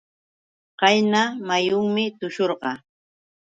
Qayna muyunmi tushurqaa.